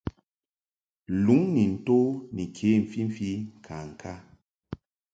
Luŋ ni nto ni ke mfimfi ŋkaŋka.